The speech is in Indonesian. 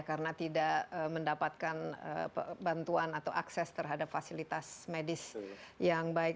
karena tidak mendapatkan bantuan atau akses terhadap fasilitas medis yang baik